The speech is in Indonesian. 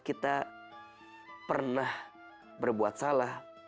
kita pernah berbuat salah